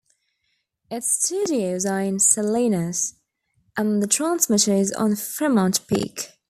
Its studios are in Salinas, and the transmitter is on Fremont Peak.